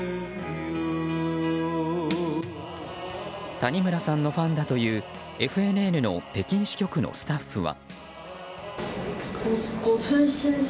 谷村さんのファンだというＦＮＮの北京支局のスタッフは。